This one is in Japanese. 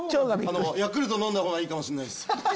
ヤクルト飲んだほうがいいかもしんないっす。